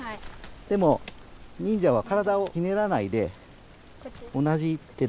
でも忍者は体をひねらないであ！